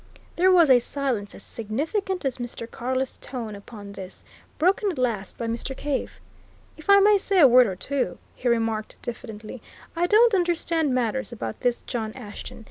There was a silence as significant as Mr. Carless' tone upon this broken at last by Mr. Cave. "If I may say a word or two," he remarked diffidently. "I don't understand matters about this John Ashton.